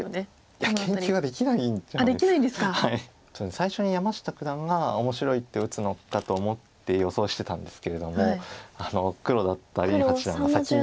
最初に山下九段が面白い手を打つのかと思って予想してたんですけれども黒だった林八段が先に。